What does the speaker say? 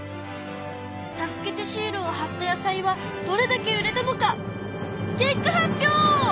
助けてシールをはった野菜はどれだけ売れたのか？